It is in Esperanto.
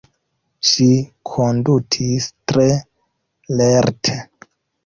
Ŝi kondutis tre lerte.